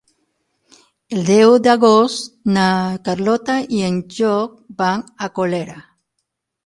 El deu d'agost na Carlota i en Llop van a Colera.